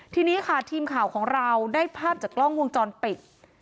ทีนี้ค่ะทีมข่าวของเราได้ภาพจากกล้องวงจรปิด